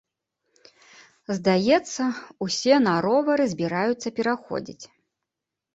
Здаецца, усе на ровары збіраюцца пераходзіць.